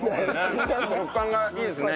食感がいいですね